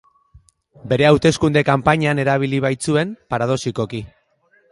Bere hauteskunde kanpainan erabili baitzuen, paradoxikoki.